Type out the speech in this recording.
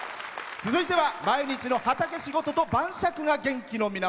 続いては毎日の畑仕事と晩酌が元気の源。